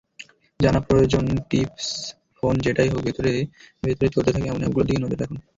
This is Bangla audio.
জানা প্রয়োজনটিপসফোন যেটাই হোকভেতরে ভেতরে চলতে থাকে এমন অ্যাপগুলোর দিকে নজর রাখুন।